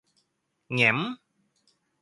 แหงม